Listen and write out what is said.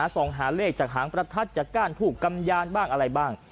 ส่องหาเลขจากหางประทัดจากก้านผูกกำยานบ้างอะไรบ้าง